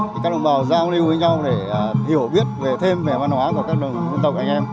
thì các đồng bào giao lưu với nhau để hiểu biết về thêm về văn hóa của các đồng dân tộc anh em